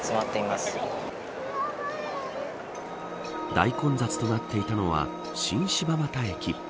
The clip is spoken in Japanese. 大混雑となっていたのは新柴又駅。